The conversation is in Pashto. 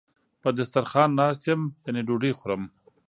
په دسترخان ناست یم یعنی ډوډی خورم